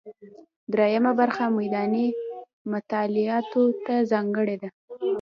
درېیمه برخه میداني مطالعاتو ته ځانګړې ده.